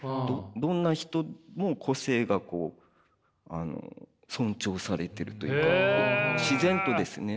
どんな人も個性が尊重されてるというか自然とですね。